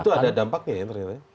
itu ada dampaknya ya ternyata